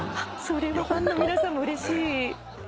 それはファンの皆さんもうれしい。